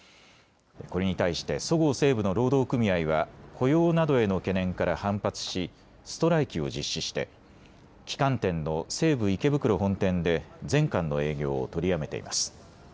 これに対して、そごう・西武の労働組合は雇用などへの懸念から反発し、ストライキを実施して旗艦店の西武池袋本店で全館の営業を取りやめています。